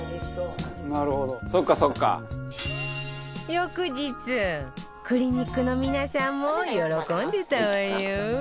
翌日クリニックの皆さんも喜んでたわよ